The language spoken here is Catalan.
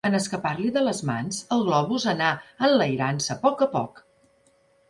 En escapar-li de les mans, el globus anà enlairant-se a poc a poc.